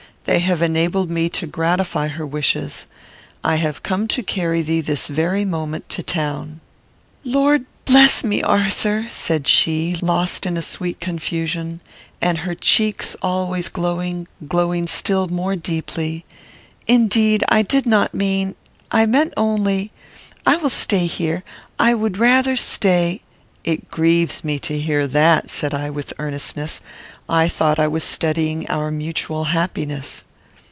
They have enabled me to gratify her wishes. I have come to carry thee this very moment to town." "Lord bless me, Arthur," said she, lost in a sweet confusion, and her cheeks, always glowing, glowing still more deeply, "indeed, I did not mean I meant only I will stay here I would rather stay " "It grieves me to hear that," said I, with earnestness; "I thought I was studying our mutual happiness."